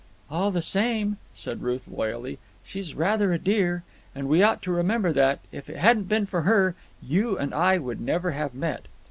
"All the same," said Ruth loyally, "she's rather a dear. And we ought to remember that, if it hadn't been for her, you and I would never have met."